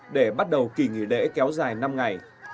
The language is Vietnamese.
để bắt đầu kỳ nghỉ lễ kéo dài năm ngày